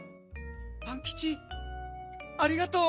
パンキチありがとう。